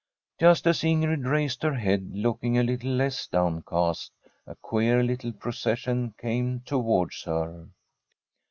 Just as Ingrid raised her head, looking a little less downcast, a queer little procession came towards her.